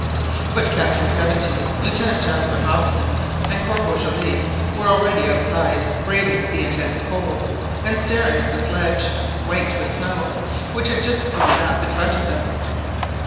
But Captain Craventy, Lieutenant Jaspar Hobson, and Corporal Joliffe were already outside, braving the intense cold, and staring at the sledge, white with snow, which had just drawn up in front of them.